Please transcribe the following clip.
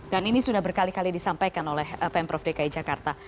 dan ini sudah berkali kali disampaikan oleh pm prof dki jakarta